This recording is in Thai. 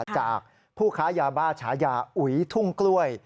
จากผู้ค้ายาบ้าฉายาอุ๋ยทุ่งกล้วย